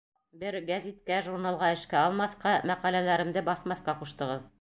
Бер гәзиткә, журналға эшкә алмаҫҡа, мәҡәләләремде баҫмаҫҡа ҡуштығыҙ.